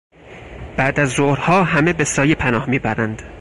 بعدازظهرها همه به سایه پناه میبرند.